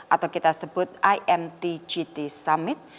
atau kita sebut imtgt summit